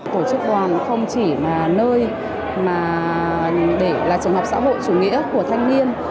tổ chức đoàn không chỉ là nơi để trường hợp xã hội chủ nghĩa của thanh niên